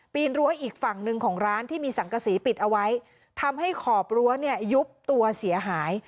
รั้วอีกฝั่งหนึ่งของร้านที่มีสังกษีปิดเอาไว้ทำให้ขอบรั้วเนี่ยยุบตัวเสียหาย